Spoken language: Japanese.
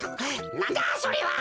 なんだそれは！